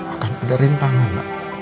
akan ada rintangan